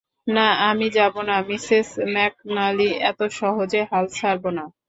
না, আমি যাবো না, মিসেস ম্যাকন্যালি এত সহজে হাল ছাড়ব না।